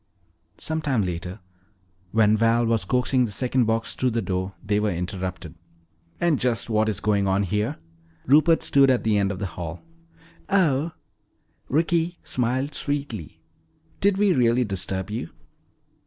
Some time later, when Val was coaxing the second box through the door, they were interrupted. "And just what is going on here?" Rupert stood at the end of the hall. "Oh," Ricky smiled sweetly, "did we really disturb you?"